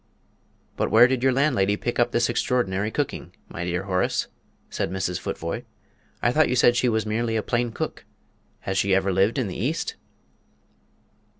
"But where did your landlady pick up this extraordinary cooking, my dear Horace?" said Mrs. Futvoye. "I thought you said she was merely a plain cook. Has she ever lived in the East?"